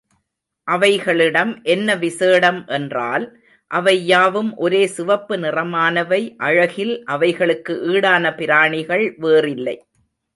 அவைகளிடம் என்ன விசேடம் என்றால், அவை யாவும் ஒரே சிவப்பு நிறமானவை, அழகில் அவைகளுக்கு ஈடான பிராணிகள் வேறில்லை.